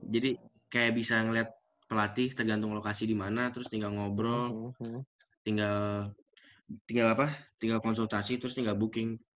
jadi kayak bisa ngeliat pelatih tergantung lokasi dimana terus tinggal ngobrol tinggal konsultasi terus tinggal booking